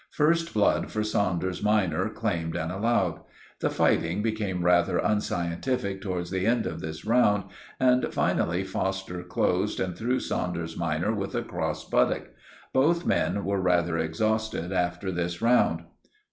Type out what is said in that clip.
First blood for Saunders minor claimed and allowed. The fighting became rather unscientific towards the end of this round, and finally Foster closed and threw Saunders minor with a cross buttock. Both men were rather exhausted after this round.